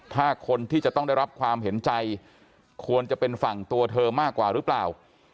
ถ้าคนที่จะต้องได้รับความเห็นใจควรจะเป็นฝั่งตัวเธอมากกว่าหรือเปล่า